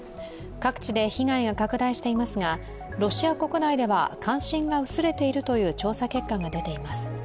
各地で被害が拡大していますがロシア国内では関心が薄れているという調査結果が出ています。